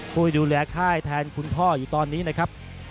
ผู้ที่ดูแลค่ายแทนคุณพ่ออยู่ตอนนี้นะครับ